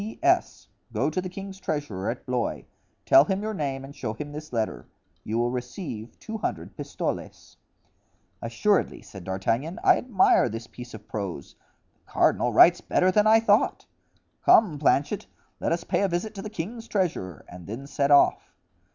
"P. S.—Go to the king's treasurer, at Blois; tell him your name and show him this letter; you will receive two hundred pistoles." "Assuredly," said D'Artagnan, "I admire this piece of prose. The cardinal writes better than I thought. Come, Planchet, let us pay a visit to the king's treasurer and then set off."